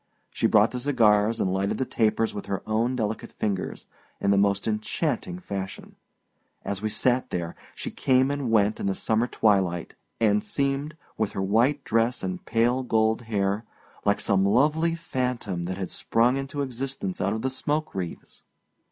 She brought the cigars and lighted the tapers with her own delicate fingers, in the most enchanting fashion. As we sat there, she came and went in the summer twilight, and seemed, with her white dress and pale gold hair, like some lovely phantom that had sprung into existence out of the smoke wreaths.